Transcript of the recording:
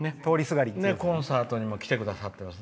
コンサートにも来てくださってます。